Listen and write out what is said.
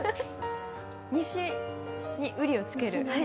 西にウリをつける。